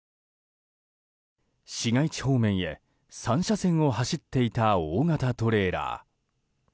市街地方面へ３車線を走っていた大型トレーラー。